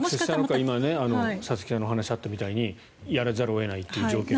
今、佐々木さんの話にもあったようにやらざるを得ないという状況も。